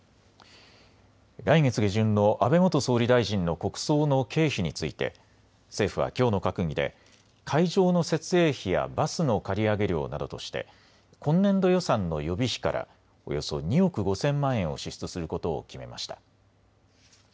来月下旬の安倍元総理大臣の国葬の経費について政府はきょうの閣議で会場の設営費やバスの借り上げ料などとして今年度予算の予備費からおよそ２億５０００万円を支出することを決めました。